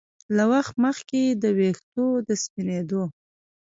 له وخت مخکې د ویښتو د سپینېدو